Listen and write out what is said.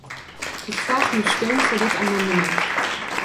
Ik vraag uw steun voor dit amendement.